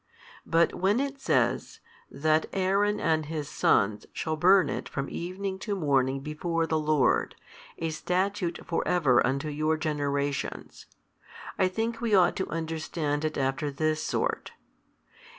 But when it says, that Aaron and his sons shall burn it from evening to morning before the Lord: a statute for ever unto your generations, I think we ought to understand it after this sort.